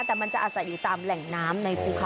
แต่มันจะอาศัยอยู่ตามแหล่งน้ำในภูเขา